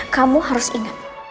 kamu harus ingat